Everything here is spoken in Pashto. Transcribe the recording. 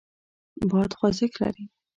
باد خوځښت لري.